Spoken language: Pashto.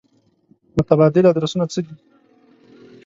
متبادل ادرسونه څه دي.